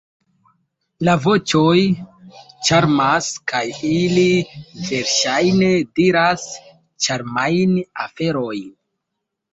La voĉoj ĉarmas, kaj ili verŝajne diras ĉarmajn aferojn.